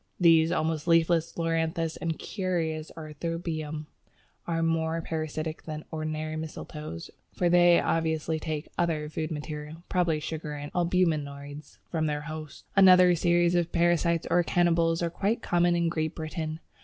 These almost leafless Loranthus, and the curious Arceuthobium are more parasitic than ordinary mistletoes, for they obviously take other food material (probably sugar and albuminoids) from their "host." Another series of parasites or cannibals are quite common in Great Britain.